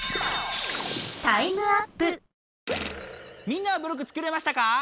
みんなはブロック作れましたか？